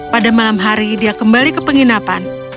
pada malam hari dia kembali ke penginapan